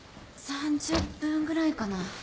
３０分ぐらいかな。